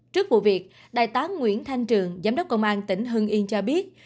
trước vụ việc đại tá nguyễn thanh trường giám đốc công an tỉnh hưng yên cho biết